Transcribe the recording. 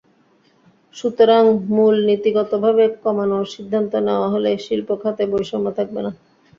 সুতরাং মূল্য নীতিগতভাবে কমানোর সিদ্ধান্ত নেওয়া হলে শিল্প খাতে বৈষম্য থাকবে না।